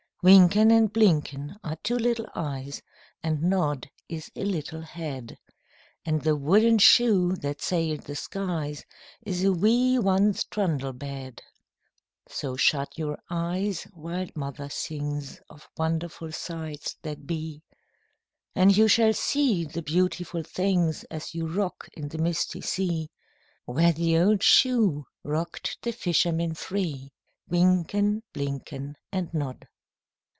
Wynken and Blynken are two little eyes, And Nod is a little head, And the wooden shoe that sailed the skies Is a wee one's trundle bed; So shut your eyes while Mother sings Of wonderful sights that be, And you shall see the beautiful things As you rock on the misty sea Where the old shoe rocked the fishermen three, Wynken, Blynken, And Nod.